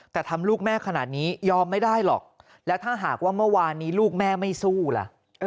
แต่ทำลูกแม่ขนาดนี้ยอมไม่ได้หรอกแล้วถ้าหากว่าเมื่อวานนี้ลูกแม่ไม่สู้ล่ะ